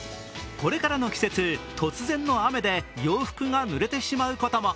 これからの季節、突然の雨で洋服がぬれてしまうことも。